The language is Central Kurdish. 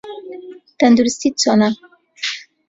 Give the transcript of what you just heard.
تەندروستیت چۆنە؟